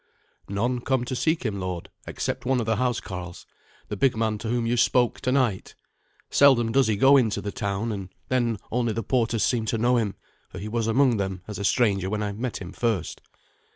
"None come to seek him, lord, except one of the housecarls the big man to whom you spoke tonight. Seldom does he go into the town, and then only the porters seem to know him, for he was among them, as a stranger, when I met him first."